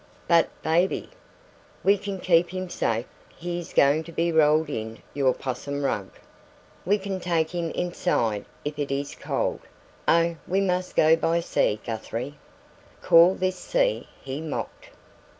"But baby?" "We can keep him safe. He is going to be rolled in your 'possum rug. We can take him inside if it is cold. Oh, we MUST go by sea, Guthrie!" "Call this sea?" he mocked.